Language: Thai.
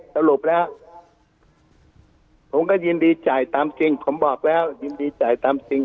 สรุปแล้วผมก็ยินดีจ่ายตามจริงผมบอกแล้วยินดีจ่ายตามจริง